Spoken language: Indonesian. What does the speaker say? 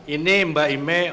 ini mbak imeh